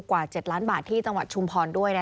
กว่า๗ล้านบาทที่จังหวัดชุมพรด้วย